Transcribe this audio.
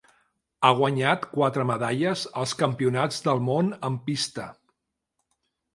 Ha guanyat quatre medalles als Campionats del món en pista.